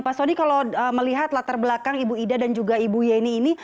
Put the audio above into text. pak soni kalau melihat latar belakang ibu ida dan juga ibu yeni ini